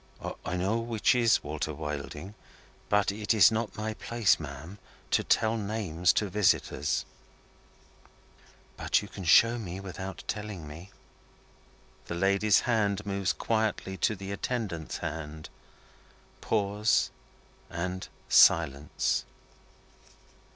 "I know which is Walter Wilding, but it is not my place, ma'am, to tell names to visitors." "But you can show me without telling me." The lady's hand moves quietly to the attendant's hand. Pause and silence.